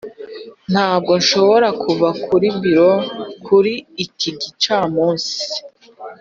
ntabwo nshobora kuva ku biro kuri iki gicamunsi.